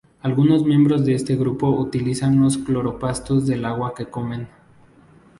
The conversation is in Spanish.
Algunos miembros de este grupo utilizan los cloroplastos del alga que comen.